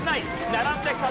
並んできた！